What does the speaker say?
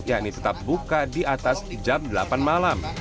yakni tetap buka di atas jam delapan malam